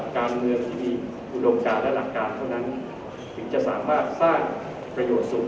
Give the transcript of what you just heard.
การเมืองที่มีอุดมการและหลักการเท่านั้นถึงจะสามารถสร้างประโยชน์สูง